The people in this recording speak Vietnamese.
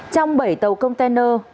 trong bảy tàu container